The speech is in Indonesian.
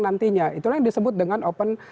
nantinya itulah yang disebut dengan open